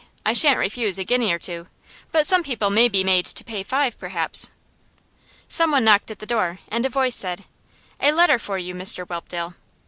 I shan't refuse a guinea or two; but some people may be made to pay five, perhaps.' Someone knocked at the door, and a voice said: 'A letter for you, Mr Whelpdale.